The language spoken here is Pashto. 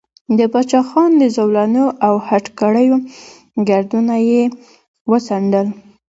د باچا خان د زولنو او هتکړیو ګردونه یې وڅنډل.